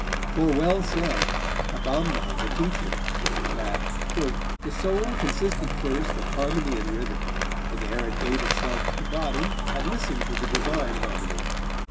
For well said Abamnon the Teacher, that "the soul consisted first of harmony and rhythm, and ere it gave itself to the body, had listened to the divine harmony.